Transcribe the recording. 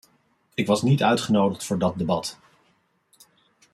Ik was niet uitgenodigd voor dat debat.